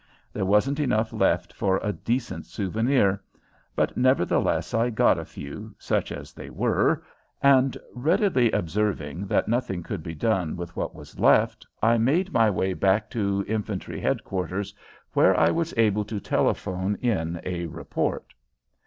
There wasn't enough left for a decent souvenir, but nevertheless I got a few, such as they were, and, readily observing that nothing could be done with what was left, I made my way back to infantry headquarters, where I was able to telephone in a report.